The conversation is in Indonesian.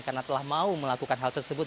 karena telah mau melakukan hal tersebut